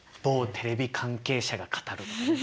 某テレビ関係者が語るとかね。